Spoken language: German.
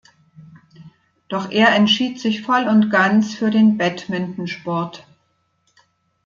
Doch er entschied sich voll und ganz für den Badmintonsport.